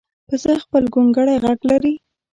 پسه خپل ګونګړی غږ لري.